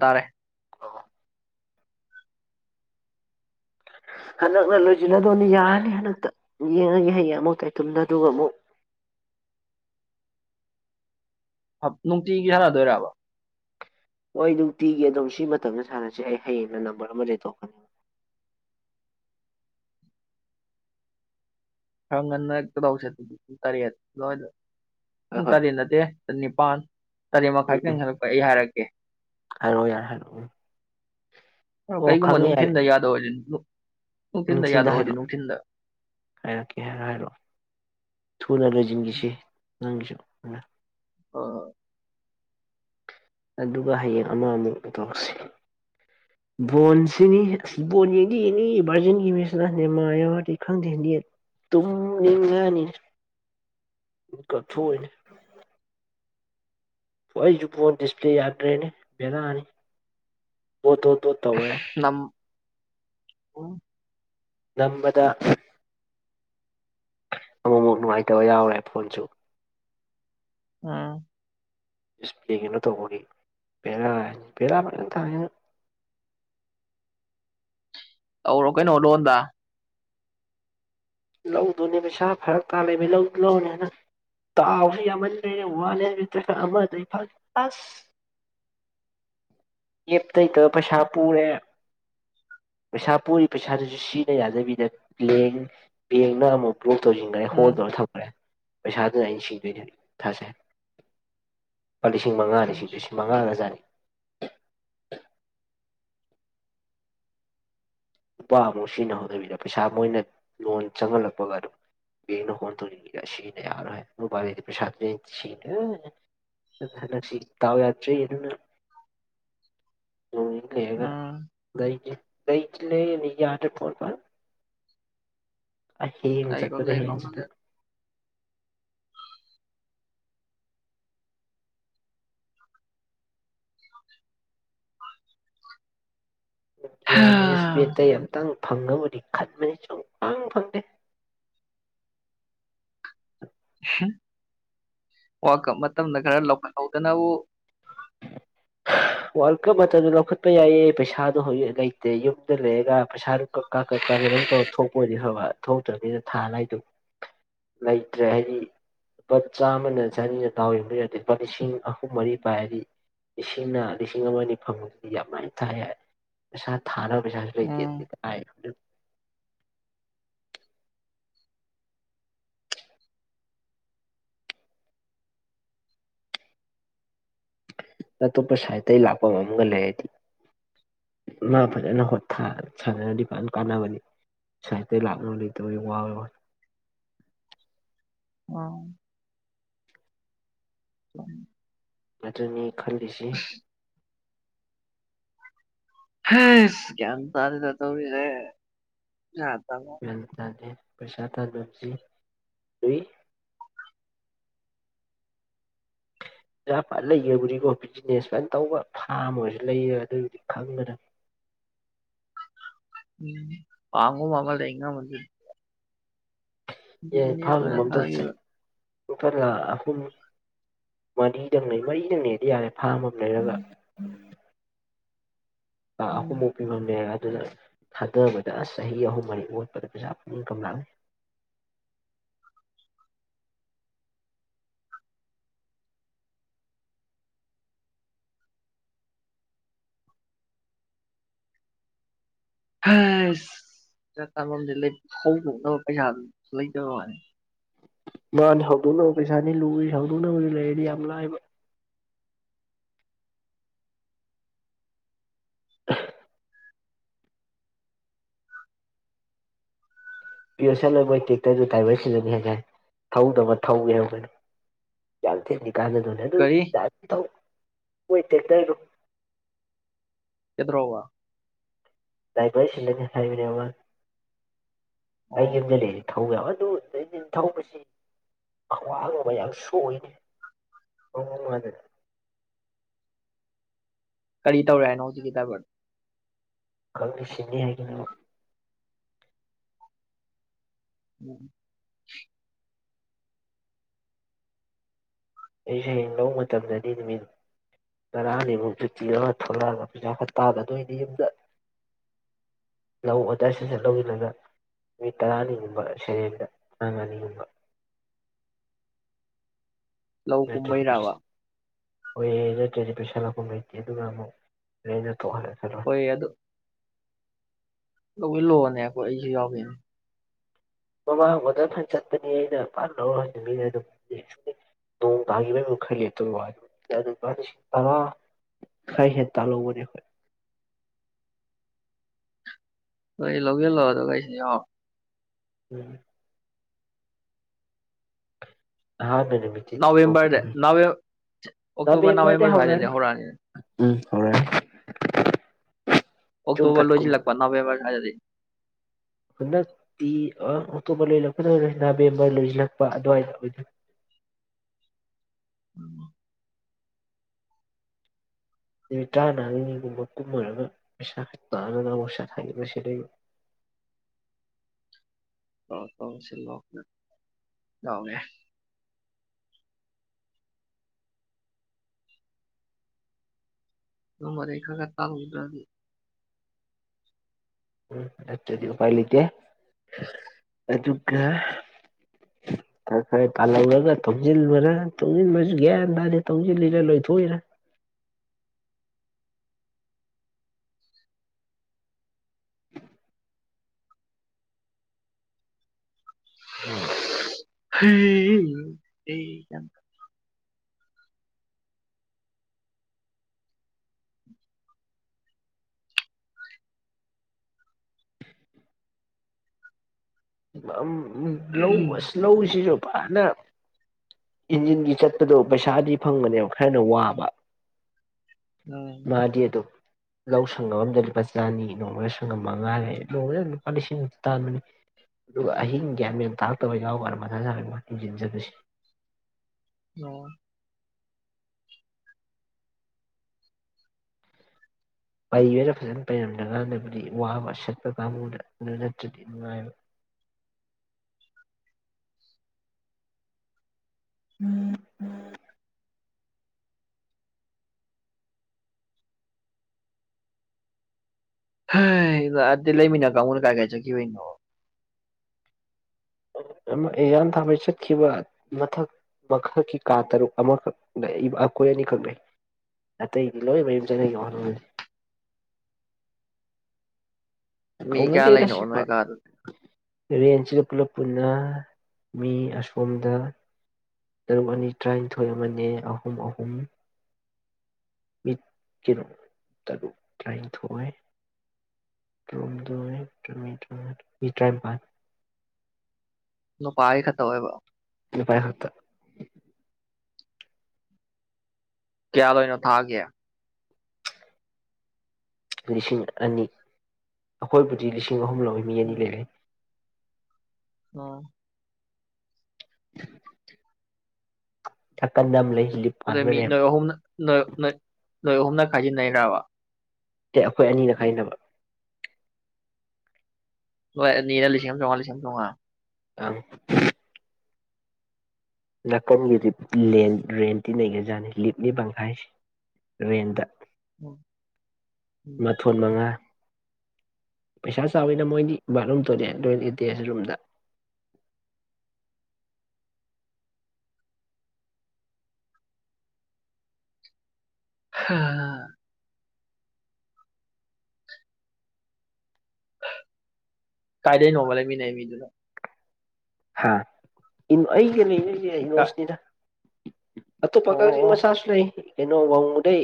ꯇꯥꯔꯦ ꯍꯟꯗꯛꯅ ꯂꯣꯏꯁꯤꯜꯂꯗꯧꯅꯤ ꯌꯥꯅꯤ ꯍꯟꯗꯛꯇ ꯌꯦꯡꯉ ꯍꯩꯌꯦ ꯑꯃꯨꯛ ꯇꯥꯏꯇꯨꯝꯗ ꯑꯗꯨꯒ ꯑꯃꯨꯛ ꯞ ꯅꯨꯡꯇꯤꯒꯤ ꯁꯥꯟꯅꯗꯣꯏꯔꯕ ꯍꯣꯏ ꯅꯨꯡꯇꯤꯒꯤ ꯑꯗꯨꯝ ꯁꯤ ꯃꯇꯝꯗ ꯁꯥꯟꯅꯁꯤ ꯑꯩ ꯍꯌꯦꯡꯅ ꯅꯝꯕꯔ ꯑꯃ ꯂꯩꯊꯣꯛꯀꯅꯤ ꯈꯪ ꯉꯟꯅ ꯍꯦꯛꯇꯗꯧꯁꯦ ꯑꯗꯨ ꯇꯔꯦꯠ ꯂꯣꯏ ꯎ ꯍꯣꯏ ꯍꯣꯏ ꯇꯗꯤ ꯇꯗꯤꯦ ꯅꯤꯄꯜ ꯇꯔꯦ ꯃꯈꯥꯏꯈꯤꯇꯪ ꯍꯜꯂꯛꯄ ꯑꯩ ꯍꯥꯏꯔꯛꯒꯦ ꯑꯦ ꯍꯂꯣ ꯌꯥꯔ ꯍꯥꯏꯂꯣ ꯀꯩꯒꯨꯝꯕ ꯃꯅꯨꯡꯅꯨꯡ ꯊꯅꯗ ꯌꯥꯗꯧꯖꯤ ꯎꯝ ꯁꯤꯤꯟꯗ ꯍꯥꯏꯔꯛꯑꯣ ꯍꯥꯏꯔꯛꯦ ꯍꯥꯏꯔꯣ ꯍꯥꯏꯔꯛꯑꯣ ꯊꯨꯅ ꯂꯩꯣꯏꯖꯤꯟꯈꯤꯁꯤꯦ ꯅꯪꯒꯤꯁꯨ ꯎꯝ ꯍ ꯍꯣꯏ ꯑꯗꯨꯒ ꯍꯌꯦꯡ ꯑꯃꯃꯨꯛ ꯎꯊꯣꯛꯁꯤ ꯕꯣꯟꯁꯤꯅꯤ ꯕꯣꯟ ꯌꯦꯡꯗꯤ ꯑꯦꯅꯤ ꯚꯔꯖꯤꯟꯒꯤ ꯃꯤꯁꯤꯅ ꯃꯥ ꯌꯥꯎꯔꯗꯤ ꯈꯪꯗꯦ ꯍꯟꯗꯤ ꯇꯨꯝꯅꯤꯡꯉꯅꯤ ꯀꯥꯠꯊꯣꯛꯑꯣꯏꯅꯦ ꯍ ꯑꯩꯁꯨ ꯐꯣꯟ ꯗꯤꯁꯄ꯭ꯂꯦ ꯌꯥꯗ꯭ꯔꯦꯅꯦ ꯦꯗꯥꯅꯤ ꯇꯣ ꯇꯣ ꯇꯣ ꯇꯧꯔꯦ ꯍ ꯅꯝꯕꯗ ꯑꯃꯨꯛꯃꯨꯛ ꯅꯨꯡꯉꯥꯏꯇꯕ ꯌꯥꯎꯔꯦ ꯐꯣꯟꯁꯨ ꯑꯝ ꯏꯁꯄꯔꯤ ꯀꯩꯅꯣ ꯇꯧꯕꯒꯤ ꯄꯦꯔ ꯄꯦꯔ ꯊ ꯑꯧꯔꯣ ꯀꯩꯅ ꯑꯣ ꯂꯗ ꯂꯧꯗꯨꯅꯦ ꯄꯩꯁꯥ ꯐꯔꯛ ꯇꯥ ꯂꯩꯕ ꯂꯧꯗꯨ ꯂꯧꯅꯦꯅ ꯇꯥꯎꯁꯨ ꯌꯥꯝꯃꯟꯗꯔꯦ ꯋꯥꯠꯂꯦꯠꯇ꯭ꯔ ꯈ ꯑꯃꯗꯩ ꯑꯁ ꯌꯦꯞ ꯇꯩꯇꯕ ꯄꯩꯁꯥ ꯄꯨꯔꯦ ꯄꯩꯁꯥ ꯄꯨꯔꯤ ꯄꯩꯁꯥꯗꯨꯁꯨ ꯁꯤꯖꯤꯟꯅ ꯌꯥꯗꯕꯤꯗꯦꯡ ꯕꯦꯡꯅ ꯑꯃꯨꯛ ꯕ꯭ꯂꯣꯛ ꯇꯧꯁꯤꯟꯈ꯭ꯔꯦ ꯍꯣꯜ ꯎꯝ ꯇꯧꯔ ꯊꯝꯈ꯭ꯔꯦ ꯄꯩꯁꯥꯗꯨꯅ ꯑꯩꯅ ꯅꯤꯡꯁꯤꯡꯗꯣꯏꯅꯤ ꯊꯥꯖꯩ ꯂꯄꯥ ꯂꯤꯁꯤꯡ ꯃꯉꯥꯅꯤ ꯎꯝ ꯁꯤ ꯂꯤꯁꯤꯡ ꯃꯉꯥꯒꯖꯥꯅꯤ [inaudible] ꯅꯨꯄꯥ ꯑꯃꯨꯛ ꯁꯤꯖꯤꯅ ꯍꯣꯠꯅꯕꯤꯔ ꯄꯩꯁꯥ ꯃꯣꯏꯅ ꯂꯣꯟ ꯆꯪꯍꯜꯂꯛꯄꯒ ꯑꯗꯨꯝ ꯕꯦꯡꯅ ꯍꯣꯟ ꯇꯣꯛꯅꯤꯡꯔ ꯁꯤꯅ ꯌꯥꯔꯣꯏ ꯍꯥꯏ ꯅꯨꯄꯥꯗꯩꯗꯤ ꯄꯩꯁꯥꯗꯨ ꯁꯤꯅꯦ ꯍꯟ ꯁꯤ ꯇꯥꯎ ꯌꯥꯗ꯭ꯔꯤ ꯑꯗꯨꯅ ꯀꯑꯦꯒ ꯎꯝ ꯏꯦ ꯇꯩ ꯂꯩ ꯌꯥꯗꯦ ꯐꯄ ꯑ ꯍꯦꯡ ꯂꯩꯔꯣ ꯆꯠꯗ ꯂꯩꯔꯣ ꯑꯃ ꯍꯦꯡꯖꯗ ꯂꯩꯔꯣ ꯌꯥꯅꯦꯁ ꯄꯠꯇ ꯌꯥꯝ ꯇꯪ ꯐꯪꯉꯕꯨꯗꯤ ꯈꯟꯕꯅꯤ ꯁꯀꯪ ꯐꯪꯗꯦ ꯋꯥꯀꯞ ꯃꯇꯝꯗ ꯈꯔ ꯂꯧꯈꯠꯍꯧꯗꯅꯕꯨ ꯋꯥꯔꯜ ꯀꯞ ꯃꯇꯝꯗ ꯂꯧꯈꯠꯄ ꯌꯥꯏꯌꯦ ꯄꯩꯁꯥꯗꯣ ꯍꯧꯖꯤ ꯂꯩꯇꯦ ꯌꯨꯝꯗ ꯂꯩꯔꯒ ꯄꯩꯁꯥꯗꯨ ꯀꯛ ꯀꯥ ꯀꯛ ꯀꯥ ꯀꯣꯧꯝ ꯇꯧꯔ ꯊꯣꯛꯄꯗꯤ ꯐꯕ ꯊꯣꯛꯇ꯭ꯔꯕꯅꯤꯅ ꯊꯥꯗꯥꯏꯗꯨ ꯂꯩꯇ꯭ꯔꯦ ꯍꯥꯏꯗꯤ ꯂꯨꯄꯥ ꯆꯥꯝꯃꯅ ꯆꯅꯤꯅ ꯇꯥꯎꯏꯔꯗꯤ ꯂꯨꯄꯥ ꯂꯤꯁꯤꯡ ꯑꯍꯨꯝ ꯃꯔꯤ ꯄꯥꯏ ꯍꯥꯏꯗꯤ ꯂꯤꯁꯤꯡꯅ ꯂꯤꯁꯤꯡ ꯑꯃ ꯑꯅꯤ ꯐꯪꯃꯗꯤ ꯌꯥꯝ ꯃꯥꯏꯅ ꯊꯥꯏ ꯄꯩꯁꯥ ꯊꯥꯅꯕ ꯎꯝ ꯏꯇꯥꯏ ꯑꯇꯣꯞꯄ ꯁꯥꯏꯗꯠꯇꯇꯩꯒꯤ ꯂꯥꯛꯄꯝꯒ ꯂꯩꯔꯗꯤ ꯃꯥ ꯐꯖꯅꯣ ꯁꯥꯟꯅꯔꯗꯤ ꯐꯖꯅ ꯀꯥꯟꯅꯕꯅꯤ ꯁꯥꯏꯠꯇꯇꯩ ꯂꯥꯛꯅꯕ ꯂꯩꯇꯕ ꯋꯥꯋꯦ ꯑꯥ ꯑ ꯑꯗꯨꯅꯤ ꯈꯜꯂꯤꯁꯤ ꯀ ꯇꯥꯔꯦꯗ ꯇꯧꯔꯤꯁꯦ ꯄꯩꯁꯥ ꯇꯥꯟꯕ ꯐꯦꯜ ꯇꯅꯦꯦ ꯄꯩꯁꯥꯇ ꯅꯝꯁꯤ ꯅꯨꯏ ꯄꯖꯥ ꯄꯥꯠ ꯂꯩꯒꯕꯨꯗꯤꯀꯣ ꯕꯤꯖꯤꯅꯦꯁ ꯀꯩꯅ ꯇꯧꯕ ꯐꯥꯝ ꯑꯣꯏꯔꯁꯨ ꯂꯩꯌꯦ ꯑꯗꯨꯏꯕꯨꯗꯤ ꯈꯪꯗꯅ ꯎꯝ ꯋꯥꯥꯡꯉꯣ ꯋꯥꯥꯡꯉ ꯂꯩꯉ ꯃ ꯑꯦ ꯐꯥꯜ ꯃꯗ ꯆ ꯊꯥꯗꯈꯤꯕ ꯀꯨꯡꯊꯂꯥ ꯑꯍꯨꯝ ꯃꯔꯤꯗꯪꯅꯦ ꯃꯔꯤꯗꯪꯅꯦꯗꯤ ꯌꯥꯔꯦ ꯐꯥꯝꯃꯝ ꯂꯩꯔꯒ ꯑ ꯎꯝ ꯑꯍꯨꯝ ꯃꯅꯦ ꯑꯗꯨꯅ ꯊꯥꯗꯕꯗ ꯑꯁ ꯆꯍꯤ ꯑꯍꯨꯝ ꯃꯔꯤ ꯑꯣꯠꯄꯗ ꯄꯩꯁꯥ ꯄꯨꯛꯅꯤꯡ ꯀꯝꯂꯥꯡꯦ ꯆꯥꯟꯣ ꯍꯧꯗꯣꯛꯅꯕ ꯄꯩꯁꯥ ꯂꯩꯇꯕ ꯃꯥꯅꯤ ꯃꯥꯅ ꯍꯧꯗꯣꯛꯅꯕ ꯄꯩꯁꯥꯅꯤ ꯂꯨꯏ ꯍꯧꯗꯣꯛꯅꯕꯗꯤ ꯂꯩꯔꯗꯤ ꯌꯥꯝ ꯂꯥꯏꯕ ꯄꯤꯣꯁꯜꯂꯣꯏ ꯃꯣꯏ ꯇꯦꯛꯇꯔꯗꯨ ꯇꯥꯏꯕꯔ ꯁꯤꯂꯅꯤ ꯍꯥꯏꯖꯥꯏ ꯊꯧꯗꯕ ꯊꯧꯒꯦꯒꯅ ꯌꯥꯝ ꯊ ꯀꯥꯟꯅꯗꯨꯅꯦ ꯑꯗꯨ ꯀꯔꯤ ꯆ ꯇꯧ ꯑꯣꯏꯣꯏ ꯊꯛꯇꯔꯗ ꯏꯗꯔꯣꯒ ꯇꯥꯏ ꯄ ꯁꯤ ꯍꯥꯏꯥꯏꯕꯅꯦ ꯑꯣ ꯑꯩꯒꯤ ꯏꯗ ꯂꯩꯦꯔꯤ ꯊꯧ ꯌꯥꯝ ꯑꯗꯨ ꯑꯗꯩꯗꯤ ꯊꯧꯕꯁꯤ ꯑꯋꯥꯡ ꯑꯃ ꯌꯥꯝ ꯁꯣꯏꯅꯦꯗ ꯀꯔꯤ ꯇꯧꯔꯦ ꯍꯥꯏꯅꯣ ꯍꯧꯖꯤꯛꯀꯤ ꯗ꯭ꯔꯥꯏꯚꯔ ꯀꯧꯒꯤ ꯁꯤꯅꯤ ꯍꯥꯏꯒꯤꯅꯣ ꯎꯝ ꯑꯩ ꯁꯩꯔꯦꯡ ꯂꯧꯕ ꯃꯇꯝꯗꯗꯤ ꯅꯨꯃꯤꯠ ꯇꯔꯥꯅꯤꯃꯨꯛ ꯨꯇꯤ ꯑꯃ ꯊꯣꯛꯂꯛꯑꯒ ꯄꯩꯖꯥ ꯍꯇꯥꯥꯗ ꯑꯗꯨꯗꯏꯗꯤ ꯌꯨꯝꯗ ꯂꯧ ꯑꯣꯗꯔ ꯁꯁꯟ ꯂꯧꯁꯤꯜꯂꯒ ꯅꯨꯃꯤꯠ ꯇꯔꯥꯅꯤꯒꯨꯝꯕ ꯁꯩꯔꯦꯡꯗ ꯅꯪ ꯑꯅꯤꯒꯨꯝꯕ ꯂꯧ ꯀꯨꯨꯝꯕꯩ ꯔꯕꯥ ꯍ ꯅꯠꯇ꯭ꯔꯦꯗꯤꯦ ꯄꯩꯁꯥ ꯂꯧꯥꯛꯐꯝ ꯂꯩꯇꯦ ꯑꯗꯨꯒ ꯑꯃꯨꯛ ꯇ ꯍꯔꯦ ꯆꯂ ꯂꯣꯏ ꯂꯣꯅꯦ ꯀꯣ ꯑꯩꯁꯨ ꯌꯥꯎꯋꯅꯦ ꯃꯃꯥꯡ ꯑꯣꯗ ꯐꯅ ꯆꯠꯄꯅꯤ ꯑꯩꯅꯄꯥꯅ ꯂꯧꯔ ꯍꯧ ꯃꯇꯨꯡ ꯃꯤꯅꯦ ꯑꯗꯨꯝ ꯅꯣꯡ ꯇꯥꯒꯤ ꯈꯜ ꯂꯦꯠꯇꯣꯏ ꯑꯗꯨ ꯂꯨꯄꯥ ꯂꯤꯁꯤꯡ ꯇꯔꯥ ꯈꯥꯏ ꯍꯦ ꯇꯥꯍꯧꯕꯅꯦ ꯑꯩꯈꯣꯏ ꯑꯩ ꯂꯧꯒꯦꯜ ꯂꯣ ꯑꯗꯨꯒ ꯀꯁꯤ ꯎꯝ ꯑꯍꯟꯗ ꯅꯕꯦꯝꯕꯔꯗ ꯅꯕꯦꯝ ꯑꯣꯛꯇꯣꯕꯥꯔ ꯅꯕꯦꯝꯕꯔ ꯁ꯭ꯋꯥꯏꯗꯗꯤ ꯍꯧꯔꯛꯑꯅꯤ ꯍꯔꯥꯏ ꯑꯣꯛꯇꯣꯕꯔ ꯂꯣꯏ ꯂꯥꯛꯄ ꯅꯣꯚꯦꯝꯕꯔ ꯍꯥꯏꯗꯗꯤ ꯍꯟꯗꯛꯇꯤ ꯑꯣꯛꯇꯣꯕꯔ ꯂꯣꯏꯜꯂꯛꯀꯗꯧ ꯅꯕꯦꯝꯕꯔ ꯂꯣꯏꯁꯤꯜꯂꯛꯄ ꯑꯗꯨꯋꯥꯏꯗꯗ ꯅꯨ ꯇꯥꯟꯅꯒꯨꯝꯕ ꯀꯨꯝꯃꯔꯒ ꯄꯩꯁꯥꯅꯅꯁꯥ ꯊꯕ ꯁꯤ ꯂꯩ ꯇ ꯁꯤꯂꯣ ꯌꯥꯎꯅꯦꯦ ꯇ ꯔꯦꯈꯥꯒ ꯇꯥꯒꯕ꯭ꯔꯥꯒꯦ ꯎꯝꯠꯇꯗꯤ ꯎꯄꯥꯏ ꯂꯩꯇꯦ ꯑꯗꯨꯒ ꯈꯔ ꯈꯔ ꯀꯥꯜꯍꯧꯔꯒ ꯇꯧꯁꯤꯟꯕ ꯇꯧꯁꯤꯟꯕꯁꯨ ꯒ꯭ꯌꯥꯟ ꯇꯗꯤ ꯇꯧꯁꯤꯜꯂꯤꯔ ꯂꯣꯏꯊꯣꯛꯏꯔ ꯍ ꯀ ꯑꯝ ꯎ ꯂꯧ ꯑꯁ ꯂꯧꯁꯤꯁꯨ ꯐꯅ ꯏꯟꯖꯤꯟꯒꯤ ꯆꯠꯄꯗꯣ ꯄꯩꯁꯥꯗꯤ ꯐꯪꯕꯅꯦꯕ ꯈꯔꯅ ꯋꯥꯕ ꯎꯝ ꯃꯥꯗꯤꯦ ꯑꯗꯨꯣ ꯂꯧ ꯁꯪꯒꯝ ꯑꯝꯗ ꯂꯨꯄꯥ ꯆꯥꯅꯤ ꯅꯣꯡꯃꯗ ꯁꯪꯒꯝ ꯃ ꯉꯉꯥꯔꯦ ꯅꯣꯡꯃꯗ ꯂꯨꯄꯥ ꯂꯤꯁꯤꯡ ꯑ ꯇꯥꯟꯕꯅꯤ ꯑꯗꯨꯒ ꯑꯍꯤꯡ ꯒ꯭ꯌꯥꯟ ꯃꯦꯟ ꯇꯥꯔꯛꯇꯕ ꯌꯥꯎꯕꯔ ꯃꯊꯥ ꯁꯥꯔꯒꯤꯡꯁꯤꯟꯖꯗꯁꯤ ꯑꯣ ꯄꯩꯅ ꯐꯖꯅ ꯄꯩꯔꯝꯗ ꯉꯥꯟꯗꯕꯗꯤ ꯋꯥꯕ ꯁꯠꯄ ꯀꯥꯡꯕꯨꯗ ꯑꯗꯨ ꯅꯠꯇ꯭ꯔꯗꯤ ꯅꯨꯡꯉꯥꯏꯕ ꯎꯝ ꯎꯝ ꯑꯗꯤ ꯂꯩꯃꯤꯅꯥꯀ ꯑꯃꯅ ꯀꯥꯏ ꯀꯆ ꯀꯤ ꯋꯥꯅꯣ ꯏ ꯊꯥꯥꯟꯕꯩ ꯆꯠꯈꯤꯕ ꯃꯊꯛ ꯃꯈꯛꯀꯤ ꯀꯥ ꯇꯔꯨꯛ ꯑꯃꯈꯛ ꯂꯩ ꯑꯩꯈꯣꯏ ꯑꯅꯤꯈꯛ ꯂꯩ ꯑꯇꯩꯗꯤ ꯂꯣꯏꯅ ꯃꯌꯨꯝ ꯆꯅꯒꯤ ꯋꯥꯅꯤ ꯃꯤ ꯀꯌꯥ ꯂꯩꯅꯣ ꯑꯣꯅꯣ ꯑꯩ ꯀꯥꯔ ꯔꯦꯟꯁꯤꯗ ꯄꯨꯂꯞ ꯄꯨꯟꯅ ꯃꯤ ꯑꯁꯣꯝꯗ ꯇꯔꯨꯛ ꯑꯅꯤ ꯇꯔꯥꯅꯤꯊꯣꯏ ꯑꯃꯅꯦ ꯑꯍꯨꯝ ꯑꯍꯨꯝ ꯃꯤ ꯀꯔꯣ ꯇꯔꯨꯛ ꯇꯔꯥꯅꯤꯊꯣꯏ ꯇ꯭ꯔꯨꯝꯗ ꯇ ꯃꯤꯇꯥꯏ ꯄ ꯅꯣ ꯄꯥꯥꯏ ꯈꯠꯇ ꯑꯣꯏꯕ ꯄꯥꯥꯏ ꯉ ꯀꯌꯥ ꯂꯣꯏꯅꯣ ꯊꯥꯒꯦ ꯂꯤꯁꯤꯡ ꯑꯅꯤ ꯑꯩꯈꯣꯏꯕꯨꯗꯤ ꯂꯤꯁꯤꯡ ꯂꯤꯁꯤꯡ ꯑꯍꯨꯝ ꯂꯧꯏ ꯃꯤ ꯑꯅꯤ ꯂꯩꯔꯦ ꯑ ꯊꯛꯀꯟꯗꯝ ꯂꯩ ꯂꯤꯞ ꯑꯗ ꯄꯥꯟꯕ ꯃꯤ ꯔꯦꯝ ꯅ ꯑꯍꯣꯨꯝ ꯅ ꯅ ꯂꯣꯏ ꯑꯍꯨꯝꯅ ꯈꯥꯏꯖꯤꯟꯅꯩꯕ ꯑꯦ ꯑꯩꯈꯣꯏ ꯑꯅꯤꯅ ꯈꯥꯏꯅꯕ ꯍ ꯅꯔ ꯂꯤꯁ ꯑꯃ ꯆꯣꯡꯉ ꯂꯤꯁꯝ ꯊꯉꯥ ꯑ ꯅꯥꯀꯟꯒꯤ ꯔꯦꯟꯇꯤ ꯅꯩꯒꯖꯥꯠꯅꯤ ꯂꯤꯞꯂꯤ ꯄꯪꯈꯥꯏꯁꯦ ꯔꯦꯟꯗ ꯃꯊꯣꯟ ꯃꯉꯥ ꯄꯩꯁꯥ ꯆꯥꯎꯋꯅ ꯃꯣꯏꯗꯤ ꯕꯥꯠꯔꯨꯝ ꯇꯣꯂꯑꯦ ꯂꯣꯏ ꯏꯇ ꯔꯨꯝꯗ ꯍ ꯀꯥꯏꯗ ꯅꯣꯡꯃꯂ ꯃꯤ ꯅ ꯃꯤꯃꯤꯗꯨꯗ ꯍꯥ ꯏ ꯑꯩꯒꯤ ꯅꯣꯁꯅꯤꯗ ꯑ ꯇꯨ ꯑꯣ ꯑꯣ ꯄꯀꯥꯒꯤ ꯃꯁꯥꯁ ꯂꯩ ꯀꯩꯅꯣ ꯋꯥꯕꯗꯩ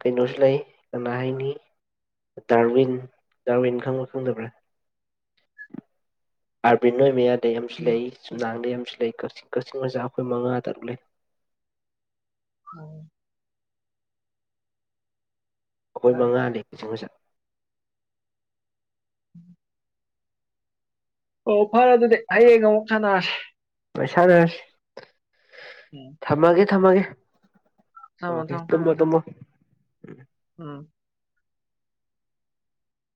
ꯀꯩꯅꯣꯁꯨ ꯂꯩ ꯀꯅꯥ ꯍꯥꯏꯅꯤ ꯗꯥꯔꯋꯤꯟ ꯗꯥꯔꯋꯤꯟ ꯈꯪꯕ ꯈꯪꯗꯕ꯭ꯔꯥ ꯑꯕꯤꯅ ꯃꯌꯥ ꯗ ꯌꯥꯝ ꯑꯃꯁꯨ ꯂꯩ ꯆꯨꯝꯅꯥꯡꯗ ꯁꯤ ꯂꯩ ꯀꯛꯆꯤꯡ ꯀꯛꯆꯤꯡ ꯃꯖꯥ ꯑꯩꯈꯣꯏ ꯃꯉꯥ ꯇꯔꯨꯛ ꯂꯩ ꯍ ꯑꯩꯈꯣꯏ ꯑꯣ ꯃꯉꯥꯗꯤ ꯀꯆꯤꯡꯁꯠ ꯎꯝ ꯑꯣ ꯐꯔꯦ ꯑꯗꯨꯗꯤ ꯍꯌꯦꯡ ꯑꯃꯨꯛ ꯁꯥꯟꯅꯔꯁꯤꯦ ꯄꯩꯁꯥꯗꯁ ꯊꯃꯒꯦ ꯊꯝꯃꯒꯦ ꯊꯝꯃꯣ ꯑꯣꯦ ꯊꯝꯃꯣ ꯇꯃ ꯇꯃ ꯎꯝ